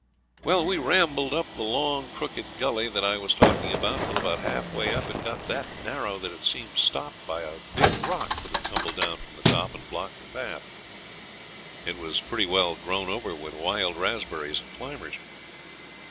Well, we rambled up the long, crooked gully that I was talking about till about half way up it got that narrow that it seemed stopped by a big rock that had tumbled down from the top and blocked the path. It was pretty well grown over with wild raspberries and climbers.